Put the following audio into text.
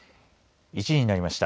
１時になりました。